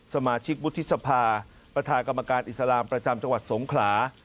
สมาชิกวุฒิสภาประธานกรรมการอิสลามประจำจังหวัดสงขลา